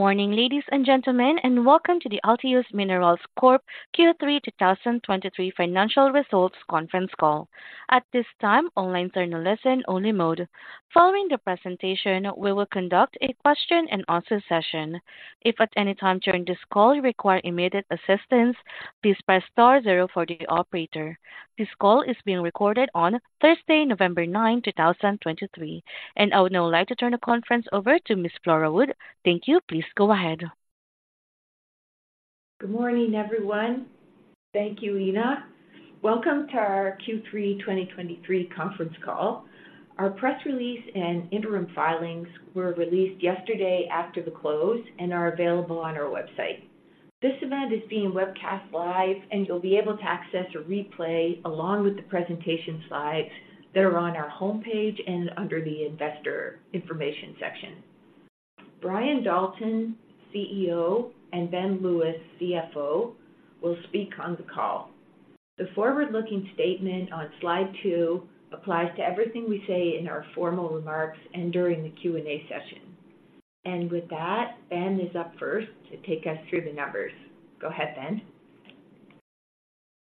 Good morning, ladies and gentlemen, and welcome to the Altius Minerals Corp Q3 2023 financial results conference call. At this time, all lines are in a listen-only mode. Following the presentation, we will conduct a question-and-answer session. If, at any time during this call you require immediate assistance, please press star zero for the operator. This call is being recorded on Thursday, November 9, 2023, and I would now like to turn the conference over to Ms. Flora Wood. Thank you. Please go ahead. Good morning, everyone. Thank you, Lena. Welcome to our Q3 2023 conference call. Our press release and interim filings were released yesterday after the close and are available on our website. This event is being webcast live, and you'll be able to access a replay along with the presentation slides that are on our homepage and under the investor information section. Brian Dalton, CEO, and Ben Lewis, CFO, will speak on the call. The forward-looking statement on slide two applies to everything we say in our formal remarks and during the Q&A session. With that, Ben is up first to take us through the numbers. Go ahead, Ben.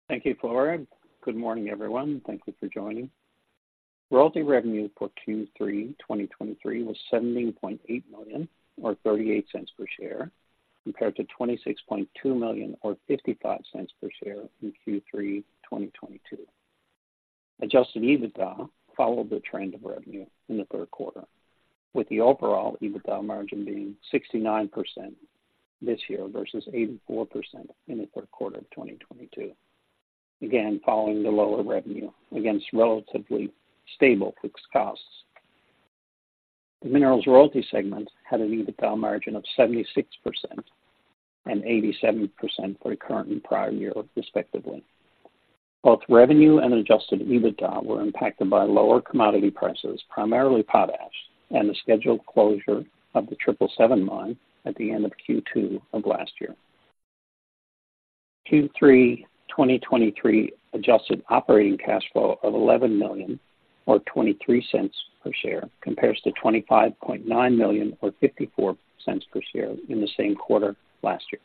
Thank you, Flora, and good morning, everyone. Thank you for joining. Royalty revenue for Q3 2023 was 17.8 million, or 0.38 per share, compared to 26.2 million, or 0.55 per share in Q3 2022. Adjusted EBITDA followed the trend of revenue in the third quarter, with the overall EBITDA margin being 69% this year versus 84% in the third quarter of 2022. Again, following the lower revenue against relatively stable fixed costs. The minerals royalty segment had an EBITDA margin of 76% and 87% for the current and prior year, respectively. Both revenue and adjusted EBITDA were impacted by lower commodity prices, primarily potash, and the scheduled closure of the 777 mine at the end of Q2 of last year. Q3 2023 adjusted operating cash flow of 11 million, or 0.23 per share, compares to 25.9 million, or 0.54 per share in the same quarter last year.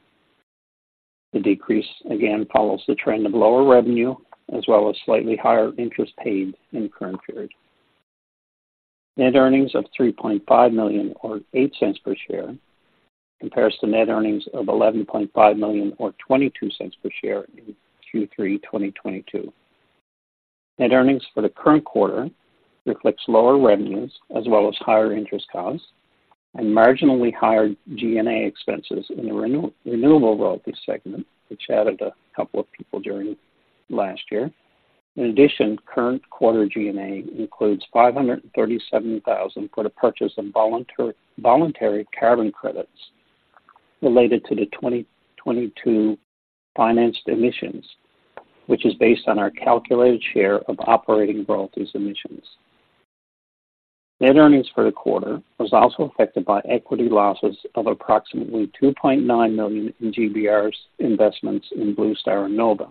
The decrease again follows the trend of lower revenue as well as slightly higher interest paid in the current period. Net earnings of 3.5 million, or 0.08 per share, compares to net earnings of 11.5 million, or 0.22 per share in Q3 2022. Net earnings for the current quarter reflects lower revenues as well as higher interest costs and marginally higher G&A expenses in the renewable royalty segment, which added a couple of people during last year. In addition, current quarter G&A includes 537 thousand for the purchase of voluntary carbon credits related to the 2022 financed emissions, which is based on our calculated share of operating royalties emissions. Net earnings for the quarter were also affected by equity losses of approximately 2.9 million in GBR's investments in Bluestar and Nova.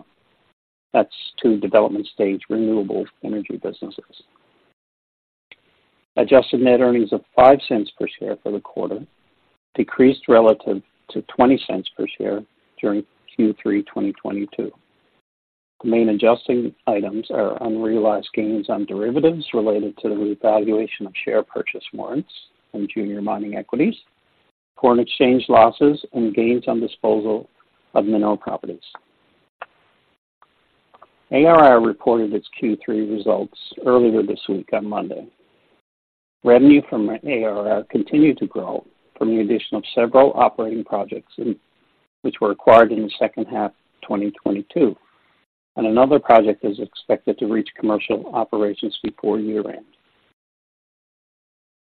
That's two-development stage renewable energy businesses. Adjusted net earnings of 0.05 per share for the quarter decreased relative to 0.20 per share during Q3 2022. The main adjusting items are unrealized gains on derivatives related to the revaluation of share purchase warrants and junior mining equities, foreign exchange losses and gains on disposal of mineral properties. ARR reported its Q3 results earlier this week on Monday. Revenue from ARR continued to grow from the addition of several operating projects in which were acquired in the second half of 2022, and another project is expected to reach commercial operations before year-end.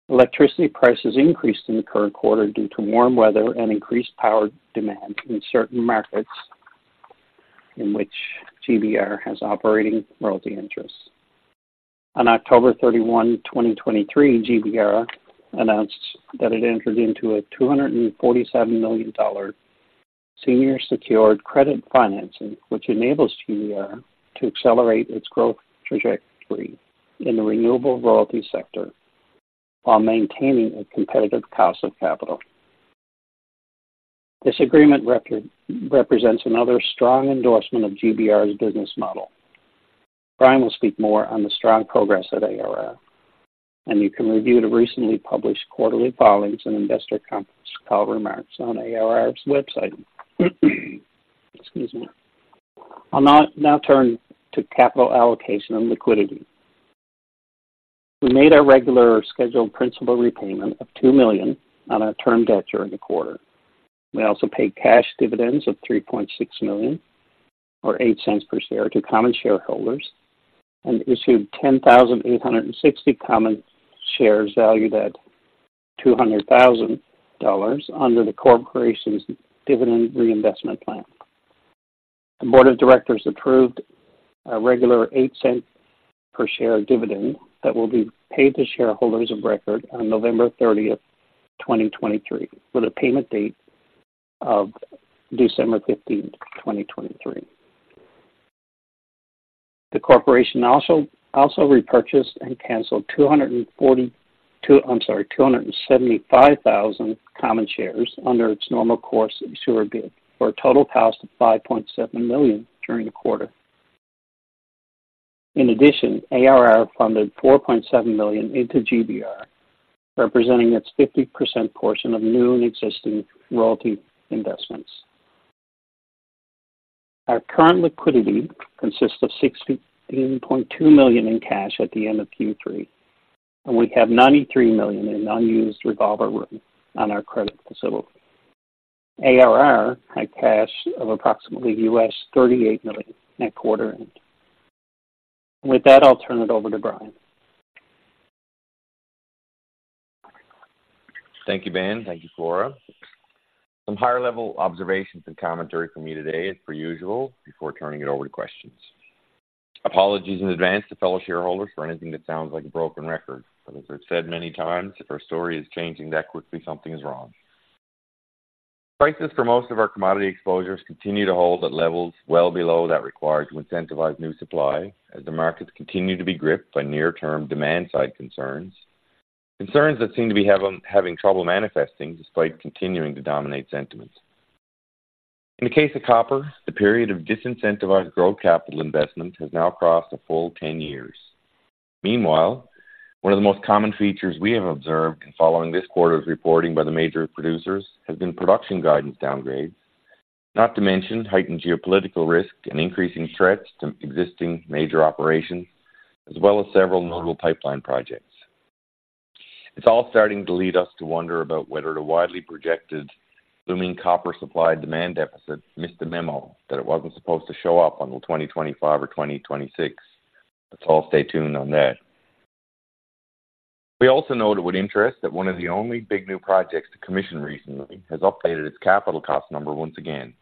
Electricity prices increased in the current quarter due to warm weather and increased power demand in certain markets in which GBR has operating royalty interests. On October 31, 2023, GBR announced that it entered into a $247 million senior secured credit financing, which enables GBR to accelerate its growth trajectory in the renewable royalty sector while maintaining a competitive cost of capital. This agreement represents another strong endorsement of GBR's business model. Brian will speak more on the strong progress at ARR, and you can review the recently published quarterly filings and investor conference call remarks on ARR's website. Excuse me. I'll now turn to capital allocation and liquidity. We made our regular scheduled principal repayment of 2 million on our term debt during the quarter. We also paid cash dividends of 3.6 million, or 0.08 per share to common shareholders, and issued 10,860 common shares valued at 200,000 dollars under the corporation's dividend reinvestment plan. The Board of Directors approved a regular 0.08 per share dividend that will be paid to shareholders of record on November 30th, 2023, with a payment date of December 15th, 2023. The corporation also repurchased and cancelled 242, I'm sorry, 275,000 common shares under its normal course issuer bid, for a total cost of 5.7 million during the quarter. In addition, ARR funded 4.7 million into GBR, representing its 50% portion of new and existing royalty investments. Our current liquidity consists of 68.2 million in cash at the end of Q3, and we have 93 million in unused revolver room on our credit facility. ARR had cash of approximately $38 million at quarter end. With that, I'll turn it over to Brian. Thank you, Ben. Thank you, Flora. Some higher-level observations and commentary from me today as per usual, before turning it over to questions. Apologies in advance to fellow shareholders for anything that sounds like a broken record, but as I've said many times, if our story is changing that quickly, something is wrong. Prices for most of our commodity exposures continue to hold at levels well below that required to incentivize new supply, as the markets continue to be gripped by near-term demand-side concerns. Concerns that seem to be having trouble manifesting despite continuing to dominate sentiments. In the case of copper, the period of disincentivized growth capital investment has now crossed a full 10 years. Meanwhile, one of the most common features we have observed in following this quarter's reporting by the major producers, has been production guidance downgrades. Not to mention heightened geopolitical risk and increasing threats to existing major operations, as well as several notable pipeline projects. It's all starting to lead us to wonder about whether the widely projected looming copper supply-demand deficit missed the memo that it wasn't supposed to show up until 2025 or 2026. Let's all stay tuned on that. We also note it with interest that one of the only big new projects to commission recently has updated its capital cost number once again,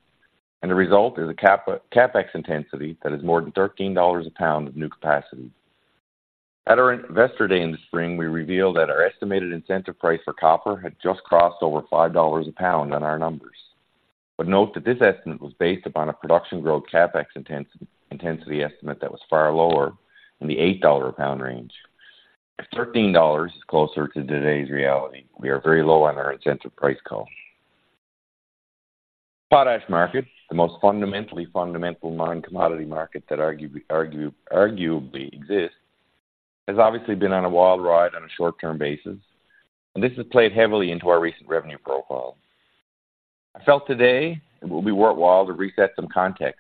and the result is a CapEx intensity that is more than $13 a pound of new capacity. At our Investor Day in the spring, we revealed that our estimated incentive price for copper had just crossed over $5 a pound on our numbers. But note that this estimate was based upon a production growth CapEx intensity estimate that was far lower in the $8 a pound range. At $13, is closer to today's reality. We are very low on our incentive price call. Potash market, the most fundamentally fundamental mine commodity market that arguably exists, has obviously been on a wild ride on a short-term basis, and this has played heavily into our recent revenue profile. I felt today it will be worthwhile to reset some context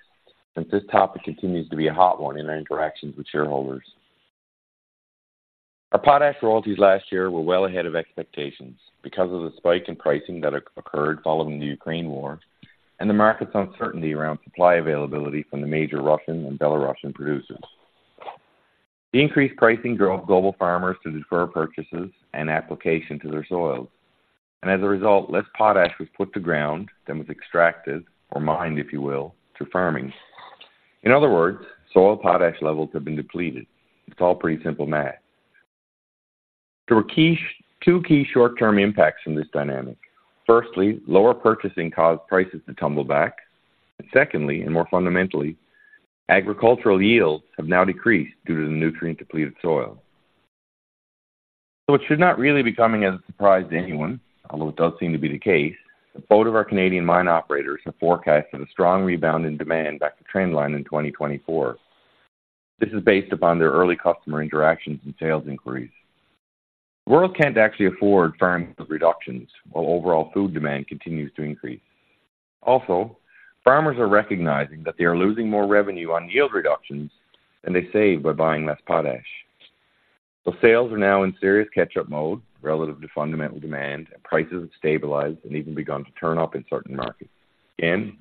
since this topic continues to be a hot one in our interactions with shareholders. Our potash royalties last year were well ahead of expectations because of the spike in pricing that occurred following the Ukraine war and the market's uncertainty around supply availability from the major Russian and Belarusian producers. The increased pricing drove global farmers to defer purchases and application to their soils, and as a result, less potash was put to ground than was extracted or mined, if you will, to farming. In other words, soil potash levels have been depleted. It's all pretty simple math. There were two key short-term impacts from this dynamic. Firstly, lower purchasing caused prices to tumble back, and secondly, and more fundamentally, agricultural yields have now decreased due to the nutrient-depleted soil. So, it should not really be coming as a surprise to anyone, although it does seem to be the case, that both of our Canadian mine operators have forecasted a strong rebound in demand back to trend line in 2024. This is based upon their early customer interactions and sales inquiries. The world can't actually afford farming reductions, while overall food demand continues to increase. Also, farmers are recognizing that they are losing more revenue on yield reductions than they save by buying less potash. So, sales are now in serious catch-up mode relative to fundamental demand, and prices have stabilized and even begun to turn up in certain markets. Again,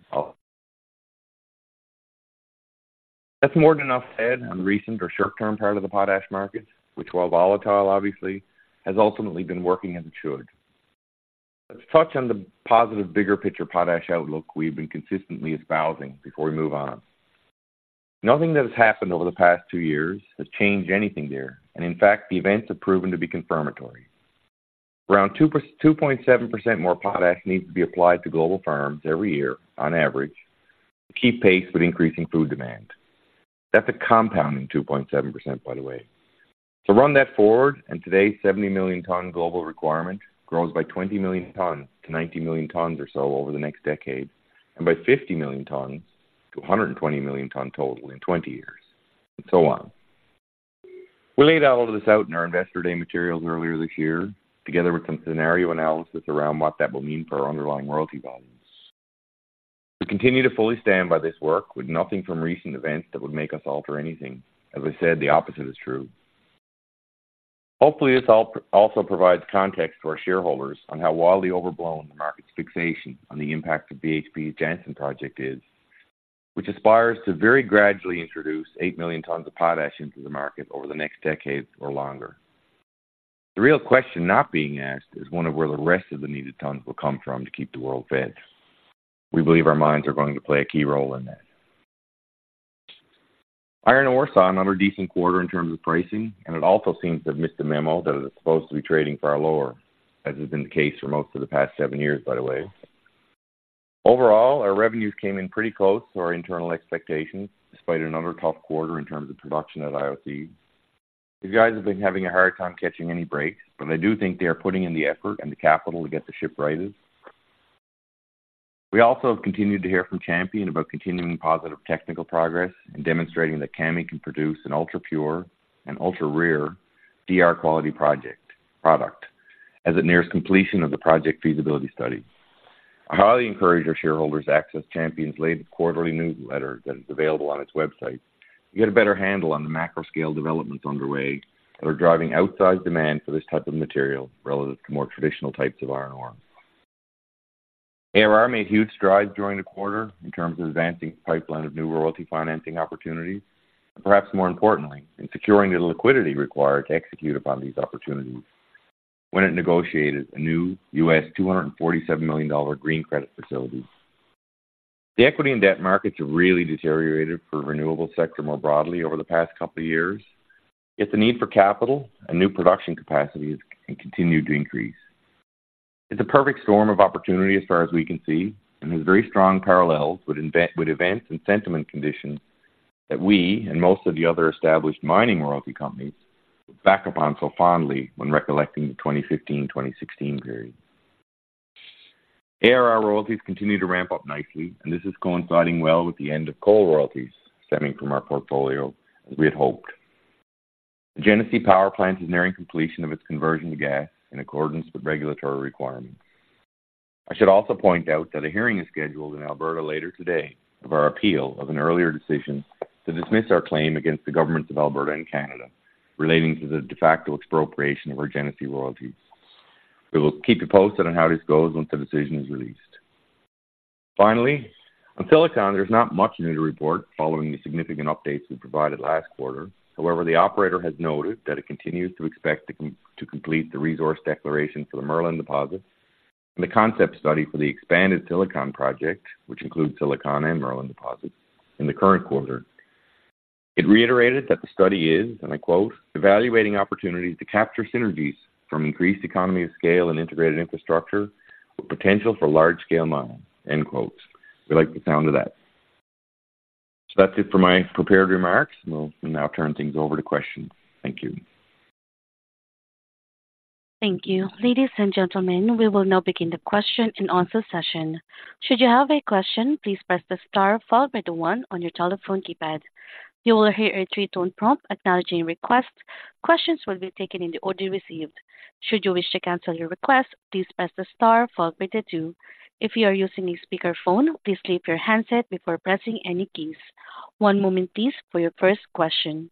that's more than enough said on the recent or short-term part of the potash market, which, while volatile, obviously, has ultimately been working as it should. Let's touch on the positive, bigger picture potash outlook we've been consistently espousing before we move on. Nothing that has happened over the past two years has changed anything there, and in fact, the events have proven to be confirmatory. Around 2.7% more potash needs to be applied to global farms every year on average, to keep pace with increasing food demand. That's a compounding 2.7%, by the way. So run that forward, and today's 70 million ton global requirement grows by 20 million tons to 90 million tons or so over the next decade, and by 50 million tons to a 120 million ton total in 20 years, and so on. We laid all of this out in our Investor Day materials earlier this year, together with some scenario analysis around what that will mean for our underlying royalty volumes. We continue to fully stand by this work with nothing from recent events that would make us alter anything. As I said, the opposite is true. Hopefully, this also provides context to our shareholders on how wildly overblown the market's fixation on the impact of BHP's Jansen project is, which aspires to very gradually introduce 8 million tons of potash into the market over the next decade or longer. The real question not being asked is one of where the rest of the needed tons will come from to keep the world fed. We believe our mines are going to play a key role in that. Iron ore saw another decent quarter in terms of pricing, and it also seems to have missed the memo that it is supposed to be trading far lower, as has been the case for most of the past seven years, by the way. Overall, our revenues came in pretty close to our internal expectations, despite another tough quarter in terms of production at IOC. These guys have been having a hard time catching any breaks, but I do think they are putting in the effort and the capital to get the ship righted. We also have continued to hear from Champion about continuing positive technical progress and demonstrating that Kami can produce an ultra-pure and ultra-rare DR quality project, product as it nears completion of the project feasibility study. I highly encourage our shareholders to access Champion's latest quarterly newsletter that is available on its website, to get a better handle on the macro-scale developments underway that are driving outsized demand for this type of material relative to more traditional types of iron ore. ARR made huge strides during the quarter in terms of advancing the pipeline of new royalty financing opportunities, and perhaps more importantly, in securing the liquidity required to execute upon these opportunities when it negotiated a new $247 million green credit facility. The equity and debt markets have really deteriorated for renewable sector more broadly over the past couple of years, yet the need for capital and new production capacity has continued to increase. It's a perfect storm of opportunity as far as we can see, and has very strong parallels with events and sentiment conditions that we and most of the other established mining royalty companies look back upon so fondly when recollecting the 2015, 2016 period. ARR royalties continue to ramp up nicely, and this is coinciding well with the end of coal royalties stemming from our portfolio as we had hoped. The Genesee Power Plant is nearing completion of its conversion to gas in accordance with regulatory requirements. I should also point out that a hearing is scheduled in Alberta later today of our appeal of an earlier decision to dismiss our claim against the governments of Alberta and Canada relating to the de facto expropriation of our Genesee royalties. We will keep you posted on how this goes once the decision is released. Finally, on Silicon, there's not much new to report following the significant updates we provided last quarter. However, the operator has noted that it continues to expect to complete the resource declaration for the Merlin deposit and the concept study for the expanded Silicon project, which includes Silicon and Merlin deposits, in the current quarter. It reiterated that the study is, and I quote, "Evaluating opportunities to capture synergies from increased economy of scale and integrated infrastructure with potential for large scale mining." We like the sound of that. That's it for my prepared remarks, and we'll now turn things over to questions. Thank you. Thank you. Ladies and gentlemen, we will now begin the question-and-answer session. Should you have a question, please press the star followed by the one on your telephone keypad. You will hear a three-tone prompt acknowledging your request. Questions will be taken in the order received. Should you wish to cancel your request, please press the star followed by the two. If you are using a speakerphone, please leave your handset before pressing any keys. One moment, please, for your first question.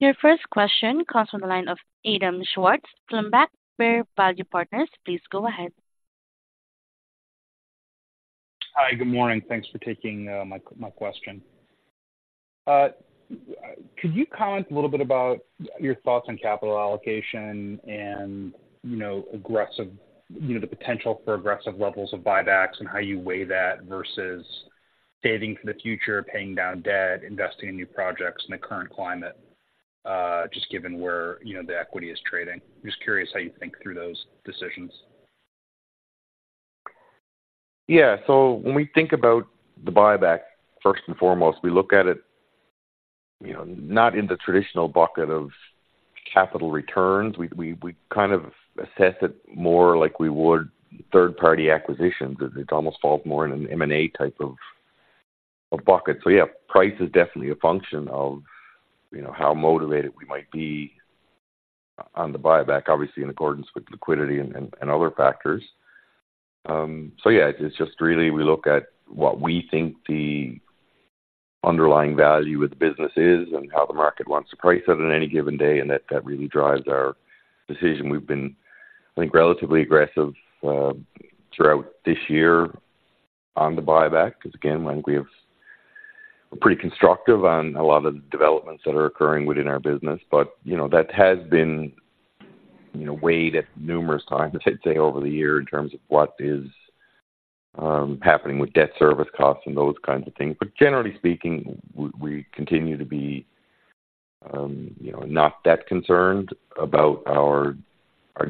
Your first question comes from the line of Adam Schwartz, from Black Bear Value Partners. Please go ahead. Hi, good morning. Thanks for taking my question. Could you comment a little bit about your thoughts on capital allocation and, you know, aggressive, you know, the potential for aggressive levels of buybacks and how you weigh that versus saving for the future, paying down debt, investing in new projects in the current climate, just given where, you know, the equity is trading? Just curious how you think through those decisions. Yeah. So when we think about the buyback, first and foremost, we look at it, you know, not in the traditional bucket of capital returns. We kind of assess it more like we would third-party acquisitions. It almost falls more in an M&A type of bucket. So yeah, price is definitely a function of, you know, how motivated we might be on the buyback, obviously in accordance with liquidity and other factors. So yeah, it's just really we look at what we think the underlying value of the business is and how the market wants to price it on any given day, and that really drives our decision. We've been, I think, relatively aggressive throughout this year on the buyback, because again, I think we have a pretty constructive on a lot of the developments that are occurring within our business. You know, that has been, you know, weighed at numerous times, I'd say, over the year in terms of what is happening with debt service costs and those kinds of things. But generally speaking, we continue to be, you know, not that concerned about our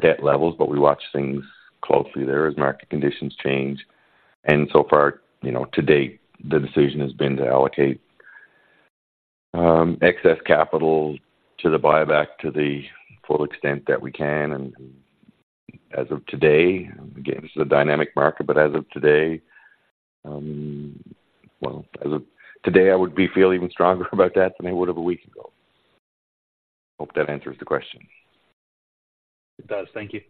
debt levels, but we watch things closely there as market conditions change. And so far, you know, to date, the decision has been to allocate excess capital to the buyback to the full extent that we can. And as of today, again, this is a dynamic market, but as of today, well, as of today, I would be feeling even stronger about that than I would have a week ago. Hope that answers the question. It does. Thank you.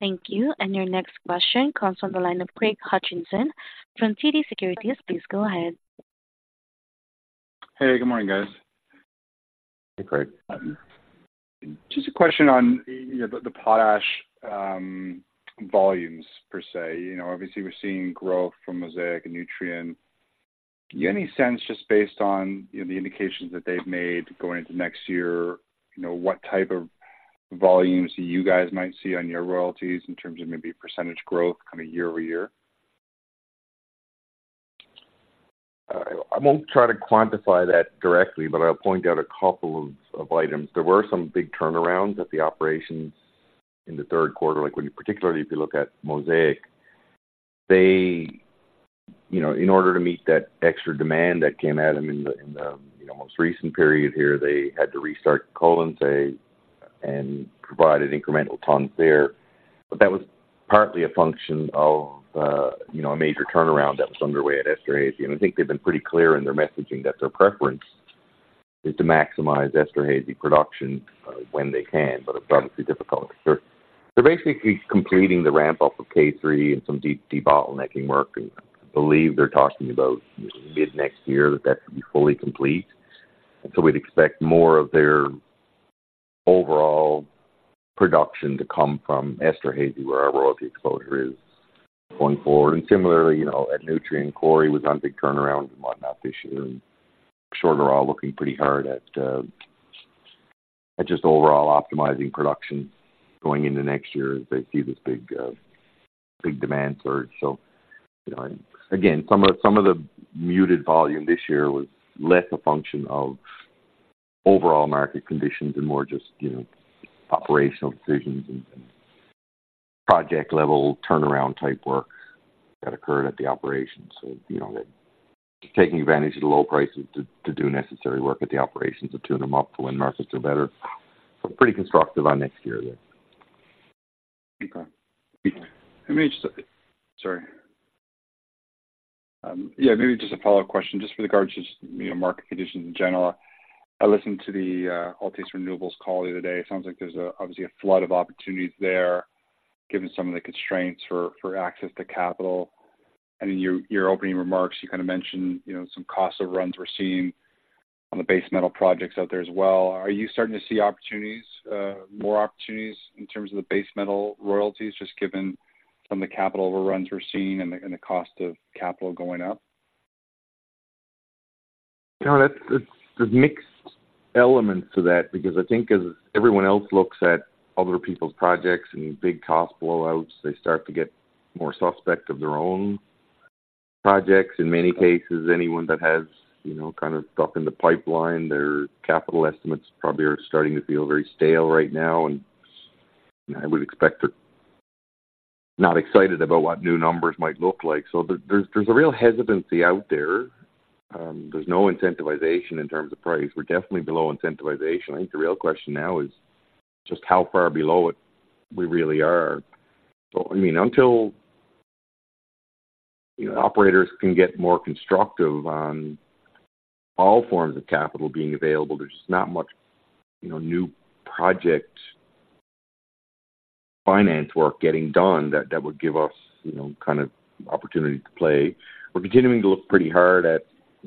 Thank you. And your next question comes from the line of Craig Hutchison from TD Securities. Please go ahead. Hey, good morning, guys. Hey, Craig. Just a question on the potash volumes per se. You know, obviously, we're seeing growth from Mosaic and Nutrien. Any sense, just based on the indications that they've made going into next year, you know, what type of volumes you guys might see on your royalties in terms of maybe percentage growth kind of year-over-year? I won't try to quantify that directly, but I'll point out a couple of items. There were some big turnarounds at the operations in the third quarter, like when you particularly if you look at Mosaic, they you know, in order to meet that extra demand that came at them in the you know most recent period here, they had to restart Colonsay and provide an incremental ton there. But that was partly a function of you know, a major turnaround that was underway at Esterhazy. And I think they've been pretty clear in their messaging that their preference is to maximize Esterhazy production when they can, but it's obviously difficult. They're basically completing the ramp-up of K3 and some debottlenecking work. I believe they're talking about mid-next year, that that should be fully complete. And so, we'd expect more of their overall production to come from Esterhazy, where our royalty exposure is going forward. And similarly, you know, at Nutrien, Cory was on big turnaround and whatnot this year, and they're all looking pretty hard at just overall optimizing production going into next year as they see this big demand surge. So, you know, again, some of the muted volume this year was less a function of overall market conditions and more just, you know, operational decisions and project-level turnaround type work that occurred at the operation. So, you know, taking advantage of the low prices to do necessary work at the operations and tune them up for when markets are better. So pretty constructive on next year there. Okay. Let me just. Sorry. Yeah, maybe just a follow-up question, just with regards to, you know, market conditions in general. I listened to the Altius Renewables call the other day. It sounds like there's obviously a flood of opportunities there, given some of the constraints for access to capital. And in your opening remarks, you kind of mentioned, you know, some cost overruns we're seeing on the base metal projects out there as well. Are you starting to see opportunities, more opportunities in terms of the base metal royalties, just given some of the capital overruns we're seeing and the cost of capital going up? No, there's mixed elements to that, because I think as everyone else looks at other people's projects and big cost blowouts, they start to get more suspect of their own projects. In many cases, anyone that has, you know, kind of stuff in the pipeline, their capital estimates probably are starting to feel very stale right now, and I would expect they're not excited about what new numbers might look like. So, there's a real hesitancy out there. There's no incentivization in terms of price. We're definitely below incentivization. I think the real question now is just how far below it we really are. So, I mean, until, you know, operators can get more constructive on all forms of capital being available, there's just not much, you know, new project finance work getting done that, that would give us, you know, kind of opportunity to play. We're continuing to look pretty hard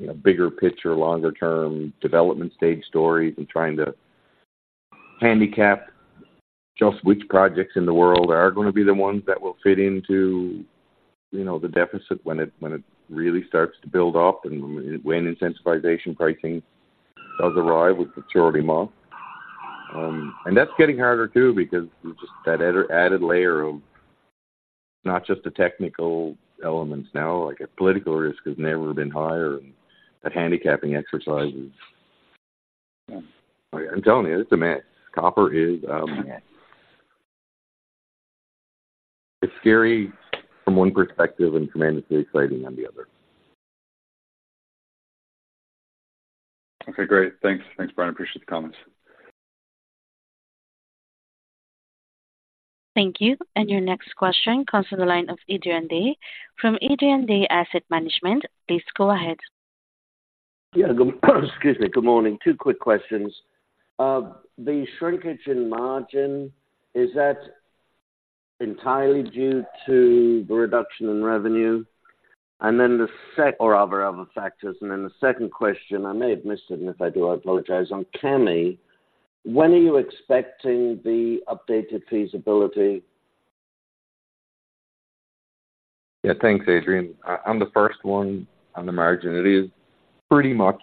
at, you know, bigger picture, longer-term development stage stories and trying to handicap just which projects in the world are going to be the ones that will fit into, you know, the deficit when it really starts to build up and when incentivization pricing does arrive with maturity month. And that's getting harder, too, because just that added, added layer of not just the technical elements now, like a political risk, has never been higher, and that handicapping exercises. Yeah. I'm telling you, it's a mess. Copper is. It's scary from one perspective and tremendously exciting on the other. Okay, great. Thanks, Brian. I appreciate the comments. Thank you. And your next question comes to the line of Adrian Day from Adrian Day Asset Management. Please go ahead. Yeah, good, excuse me. Good morning. Two quick questions. The shrinkage in margin, is that entirely due to the reduction in revenue? Or are there other factors? And then the second question, I may have missed it, and if I do, I apologize. On Kami, when are you expecting the updated feasibility? Yeah, thanks, Adrian. On the first one, on the margin, it is pretty much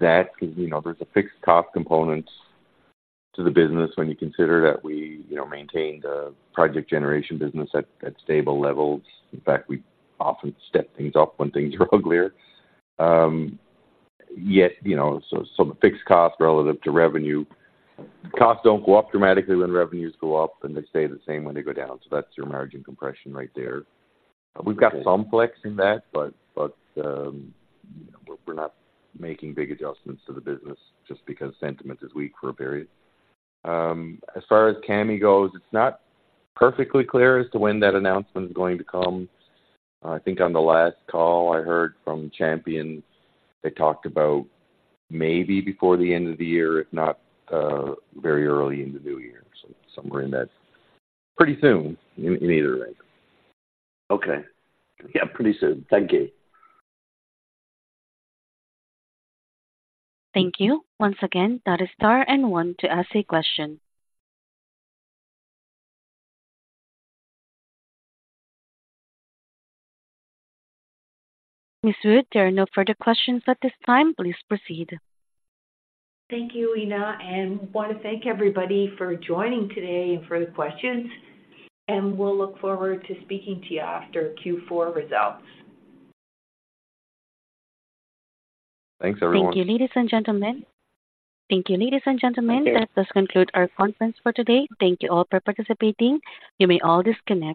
that, because, you know, there's a fixed cost component to the business when you consider that we, you know, maintain the project generation business at stable levels. In fact, we often step things up when things are uglier. Yet, you know, so the fixed costs relative to revenue, costs don't go up dramatically when revenues go up, and they stay the same when they go down. So that's your margin compression right there. We've got some flex in that, but we're not making big adjustments to the business just because sentiment is weak for a period. As far as Kami goes, it's not perfectly clear as to when that announcement is going to come. I think on the last call I heard from Champion, they talked about maybe before the end of the year, if not, very early in the new year. So somewhere in that. Pretty soon in either way. Okay. Yeah, pretty soon. Thank you. Thank you. Once again, that is star one to ask a question. Ms. Wood, there are no further questions at this time. Please proceed. Thank you, Lena, and want to thank everybody for joining today and for the questions, and we'll look forward to speaking to you after Q4 results. Thanks, everyone. Thank you, ladies and gentlemen. Thank you, ladies and gentlemen. Okay. That does conclude our conference for today. Thank you all for participating. You may all disconnect.